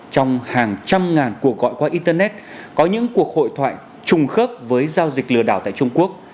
trong hàng trăm ngàn cuộc gọi qua internet có những cuộc hội thoại trùng khớp với giao dịch lừa đảo tại trung quốc